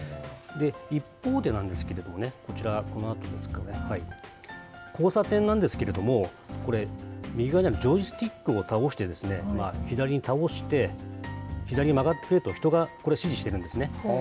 一方でなんですけれどもね、こちら、このあとですね、交差点なんですけれども、これ、右側にあるジョイスティックを倒して、左に倒して、左に曲がれと、人がこれ、指示してるんですね。